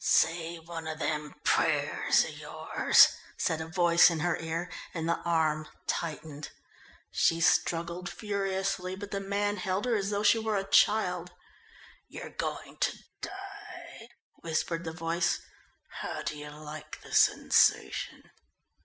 "Say one of them prayers of yours," said a voice in her ear, and the arm tightened. She struggled furiously, but the man held her as though she were a child. "You're going to die," whispered the voice. "How do you like the sensation?"